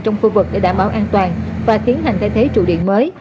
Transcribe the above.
trong khu vực để đảm bảo an toàn và tiến hành thay thế trụ điện mới